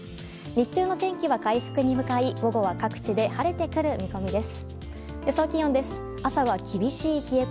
日中の天気は回復に向かい午後は各地で晴れてくる見込みです。